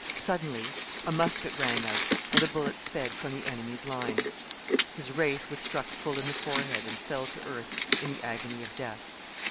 Suddenly a musket rang out and a bullet sped from the enemy's line. His wraith was struck full in the forehead and fell to earth in the agony of death.